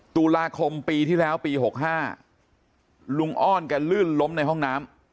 ตุลาคมปีที่แล้วปีหกห้าลูกอ้อนกันลื่นล้มในห้องน้ำ